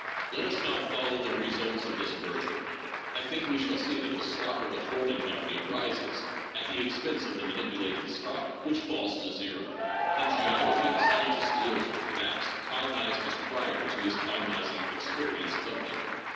Let us now follow the results of this merger. I think that we shall see that the stock of the holding company rises at the expense of the manipulated stock, which falls to zero. In geology the scientist deals with facts cognized as prior to his cognizing experience of them.